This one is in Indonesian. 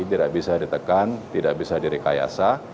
tidak bisa ditekan tidak bisa direkayasa